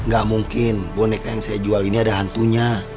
gak mungkin boneka yang saya jual ini ada hantunya